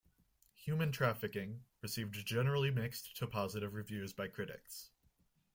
"Human Trafficking" received generally mixed to positive reviews by critics.